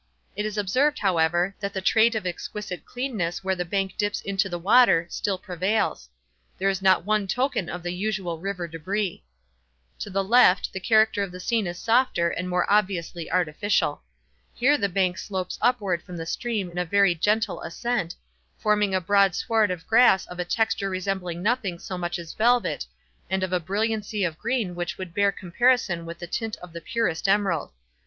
It is observed, however, that the trait of exquisite cleanness where the bank dips into the water, still prevails. There is not one token of the usual river débris. To the left the character of the scene is softer and more obviously artificial. Here the bank slopes upward from the stream in a very gentle ascent, forming a broad sward of grass of a texture resembling nothing so much as velvet, and of a brilliancy of green which would bear comparison with the tint of the purest emerald.